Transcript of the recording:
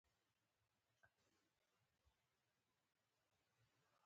په موزیلا عام غږ کې د پښتو بشپړتیا د پښتنو لپاره نړیوال فرصتونه جوړوي.